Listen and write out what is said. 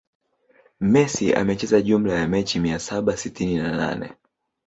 Messi amecheza jumla ya mechi mia saba sitini na nane